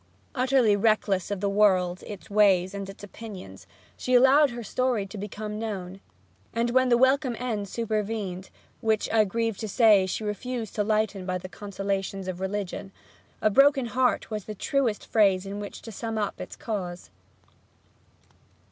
Utterly reckless of the world, its ways, and its opinions, she allowed her story to become known; and when the welcome end supervened (which, I grieve to say, she refused to lighten by the consolations of religion), a broken heart was the truest phrase in which to sum up its cause.